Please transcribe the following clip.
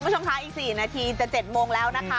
คุณผู้ชมคะอีก๔นาทีจะ๗โมงแล้วนะคะ